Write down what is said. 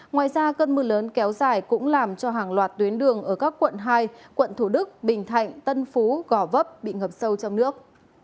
ngoài ra cơn mưa lớn kéo dài cũng làm cho hàng loạt tuyến đường ở các quận hai quận thủ đức bình thạnh tân phú gò vấp bị ngập sâu trong nước